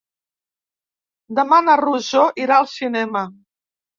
Demà na Rosó irà al cinema.